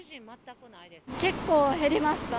結構減りました。